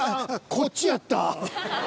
こっちやった。